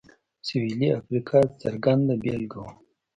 سوېلي افریقا څرګنده بېلګه وه.